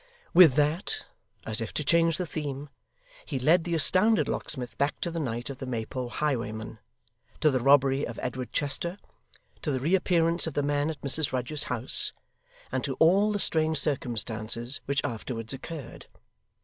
With that, as if to change the theme, he led the astounded locksmith back to the night of the Maypole highwayman, to the robbery of Edward Chester, to the reappearance of the man at Mrs Rudge's house, and to all the strange circumstances which afterwards occurred.